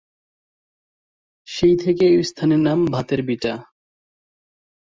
সেই থেকে এই স্থানের নাম ভাতের ভিটা।